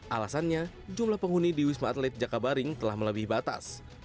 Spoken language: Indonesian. alasannya jumlah penghuni di wisma atlet jakabaring telah melebihi batas